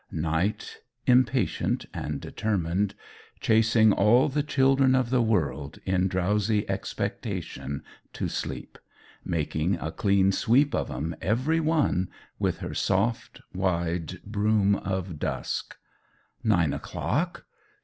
Night, impatient and determined, chasing all the children of the world in drowsy expectation to sleep making a clean sweep of 'em, every one, with her soft, wide broom of dusk. "Nine o'clock?